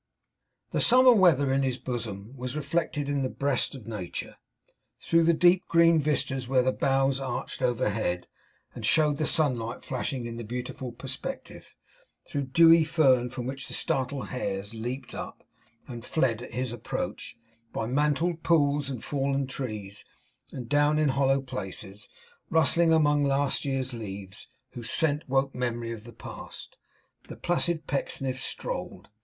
The summer weather in his bosom was reflected in the breast of Nature. Through deep green vistas where the boughs arched overhead, and showed the sunlight flashing in the beautiful perspective; through dewy fern from which the startled hares leaped up, and fled at his approach; by mantled pools, and fallen trees, and down in hollow places, rustling among last year's leaves whose scent woke memory of the past; the placid Pecksniff strolled.